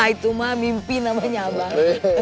itu mbah mimpi namanya abah